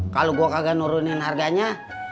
kalau gue kagak nurunin harganya